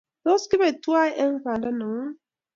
Tos kibe twai eng` panda ni ng`ung